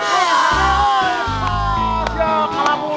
hei jangan marah dong